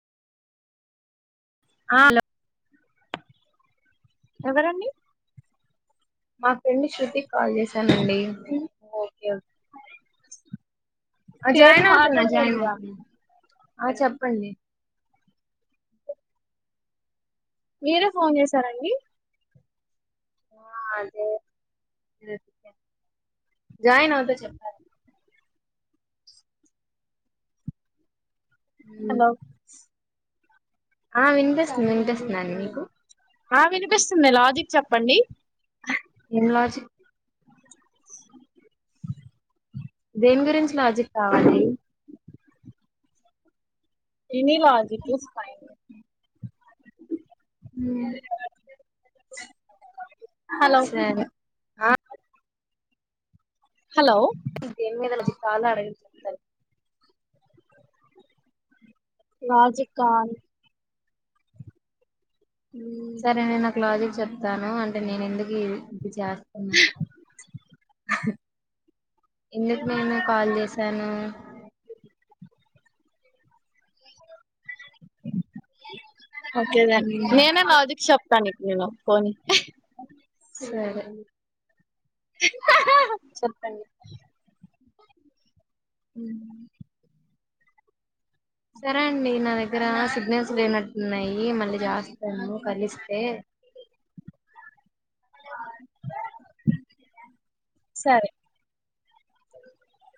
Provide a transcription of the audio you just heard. ఆ హలో ఎవరండి మా ఫ్రెండ్ శృతి కాల్ చేశానండి ఓకే ఓకే పేరు అజయినతు నా జయి మాట్లాడకూడదుగా నతు ఆ చెప్పండి మీరే ఫోన్ చేసారంండి ఆ అదే జాయిన్ అతో చెప్పాలా హలో అ ఆ వినిపిస్తు వినిపిస్తున్నాను మీకు ఆ వినిపిస్తుంది లాజిక్ చెప్పండి ఏం లాజిక్ దేని గురించి లాజిక్ కావాలి ఇనిలోదితలు ఫై ఉమ్. హలో [inaudible] సరే ఆ హలో ఇతేన్మదనది కాల అడగ సత్తల్ రాజికాన్ హమ్ సరే నేను నాకు లాజిక్ చెప్తాను అంటే నేను ఎందుకు ఇ ఇది చేస్తున్నా [inaudible] ఎందుకు నేను కాల్ చేసాను ఓకే దెన్ ఉమ్. నేనే మా వదిన్క్ చెప్తాను నేను ఓపుకొని సరేే చెప్పండి హమ్ సరే అండి నాన్ దగ్గర సిగ్నల్స్ లేనట్టు ఉన్నాయి మళ్ళీ చేస్తాను కలిస్తే సరే